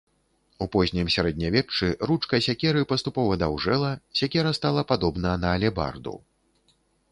У познім сярэднявеччы ручка сякеры паступова даўжэла, сякера стала падобна на алебарду.